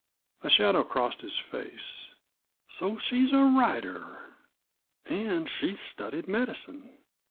A shadow crossed his face. "So she's a writer an' she's studied medicine.